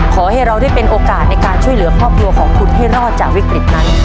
ขอให้เราได้เป็นโอกาสในการช่วยเหลือครอบครัวของคุณให้รอดจากวิกฤตนั้น